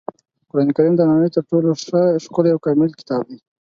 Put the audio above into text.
قرانکریم د نړۍ تر ټولو ښکلی او کامل کتاب دی.